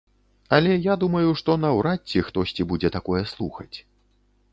Але я думаю, што наўрад ці хтосьці будзе такое слухаць.